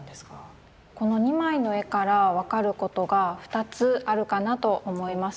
この２枚の絵から分かることが２つあるかなと思います。